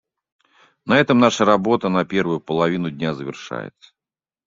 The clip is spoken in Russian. На этом наша работа на первую половину дня завершается.